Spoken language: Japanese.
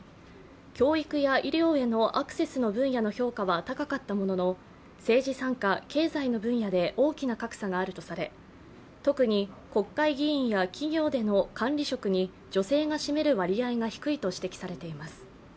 教育や医療へのアクセスの分野の評価は高かったものの、政治参加、経済の分野で大きな格差があるとされ特に国会議員や企業での管理職に女性が占める割合が低いと指摘されています。